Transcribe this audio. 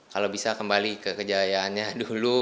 kalau bisa kembali ke kejayaannya dulu